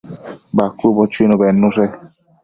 Bacuëbo chuinu bednushe